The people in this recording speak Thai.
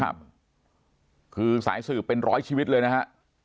คือสายสืบเป็นร้อยชีวิตเลยนะฮะ